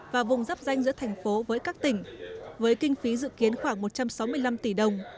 và vùng dắp danh giữa thành phố với các tỉnh với kinh phí dự kiến khoảng một trăm sáu mươi năm tỷ đồng